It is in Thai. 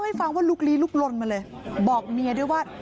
ปี๖๕วันเกิดปี๖๔ไปร่วมงานเช่นเดียวกัน